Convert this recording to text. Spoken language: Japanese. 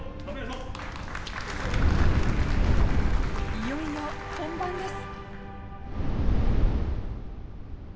いよいよ本番です！